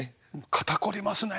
肩凝りますねえ。